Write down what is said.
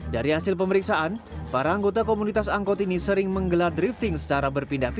dari hasil pemeriksaan para anggota komunitas angkot ini sering menggelar drifting secara berpindah pindah